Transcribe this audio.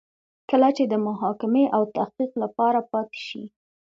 کله چې د محاکمې او تحقیق لپاره پاتې شي.